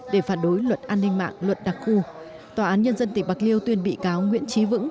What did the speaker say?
để phản đối luật an ninh mạng luật đặc khu tòa án nhân dân tỉnh bạc liêu tuyên bị cáo nguyễn trí vững